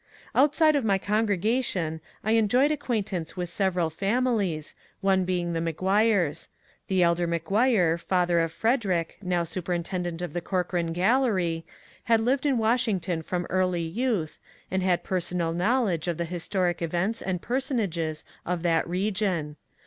Outside of my congregation I enjoyed acquaintance with several families, one being the McGuires. The elder McGuire — father of Frederick, now superintendent of the Corcoran Gbdlery — had lived in Washington from early youth, and had personal knowledge of the historic events and personages of that region.